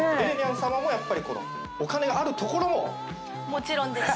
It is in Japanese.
もちろんです。